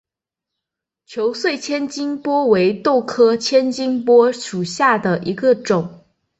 球穗千斤拔为豆科千斤拔属下的一个种。